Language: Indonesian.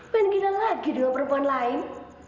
pengen gila lagi dua perempuan lain